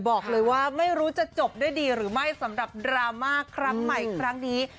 บอกเลยว่าไม่รู้จะจบด้วยดีหรือไม่สำหรับดราม่าครั้งใหม่ครั้งนี้